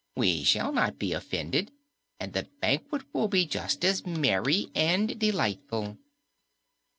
We shall not be offended, and the banquet will be just as merry and delightful."